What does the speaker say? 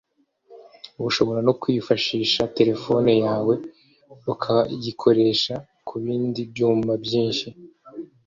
ushobora no kwifashisha telefone yawe ukayikoresha ku bindi byuma byinshi